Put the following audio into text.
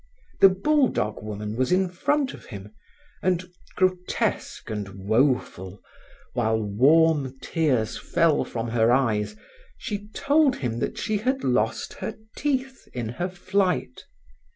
The bulldog woman was in front of him and, grotesque and woeful, while warm tears fell from her eyes, she told him that she had lost her teeth in her flight.